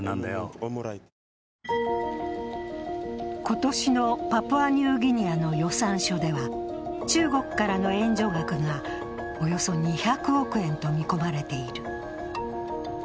今年のパプアニューギニアの予算書では中国からの援助額がおよそ２００億円と見込まれている。